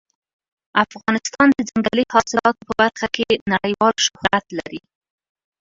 افغانستان د ځنګلي حاصلاتو په برخه کې نړیوال شهرت لري.